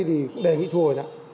thì đề nghị thù rồi